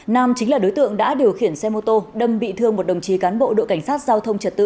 nam chính là đối tượng đã điều khiển xe mô tô đâm bị thương một đồng chí cán bộ đội cảnh sát giao thông trật tự